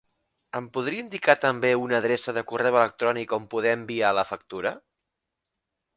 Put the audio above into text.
Em podria indicar també una adreça de correu electrònic on poder enviar la factura?